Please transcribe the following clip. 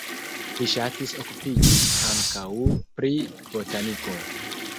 Li ŝatis okupiĝis ankaŭ pri botaniko.